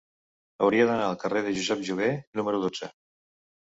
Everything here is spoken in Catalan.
Hauria d'anar al carrer de Josep Jover número dotze.